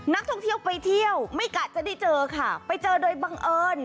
นักท่องเที่ยวไปเที่ยวไม่กะจะได้เจอค่ะไปเจอโดยบังเอิญ